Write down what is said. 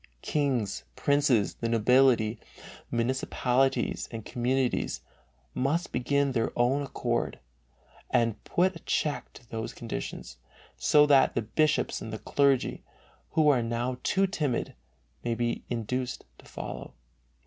Kings, princes, the nobility, municipalities and communities must begin of their own accord and put a check to these conditions, so that the bishops and the clergy, who are now too timid, may be induced to follow.